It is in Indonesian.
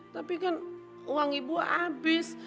tapi kan uang ibu habis